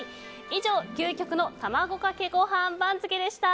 以上、究極のたまごかけご飯番付でした！